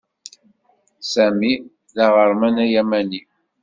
Sami d aɣerman ayamani.